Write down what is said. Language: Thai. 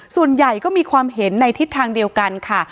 ส่วนใหญ่ก็มีความเห็นในทิศทางเดียวกันค่ะ